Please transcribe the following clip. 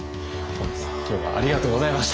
本当に今日はありがとうございました。